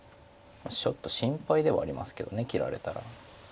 ちょっと心配ではありますけど切られたら。